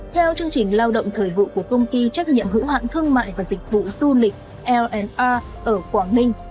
theo chương trình lao động thời vụ của công ty trách nhiệm hữu hãng thương mại và dịch vụ du lịch l r ở quảng ninh